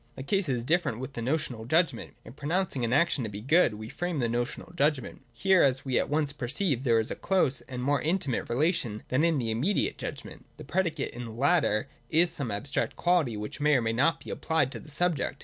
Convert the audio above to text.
The case is different with the notional judgment. In pronouncing an action to be good, we frame a notional judgment. Here, as we at once perceive, there is a closer and a more intimate relation than in the immediate judgment. The predicate in the latter is some abstract quality which may or may not be applied to the subject.